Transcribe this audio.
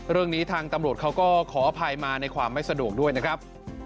เรื่องนี้ทางตำรวจเขาก็ขออภัยมาในความไม่สะดวกด้วยนะครับ